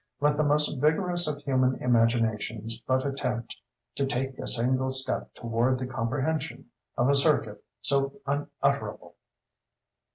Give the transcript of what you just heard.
Let the most vigorous of human imaginations but attempt to take a single step toward the comprehension of a circuit so unutterable!